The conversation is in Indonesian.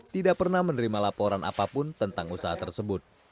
tidak pernah menerima laporan apapun tentang usaha tersebut